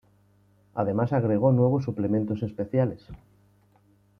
Además agregó nuevos suplementos especiales.